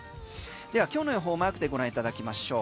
では今日の予報マークでご覧いただきましょう。